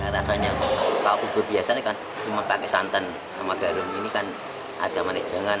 rasanya kalau bubur biasa cuma pakai santan sama garam ini kan ada manis jenggan